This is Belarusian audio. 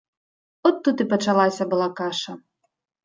От тут і пачалася была каша!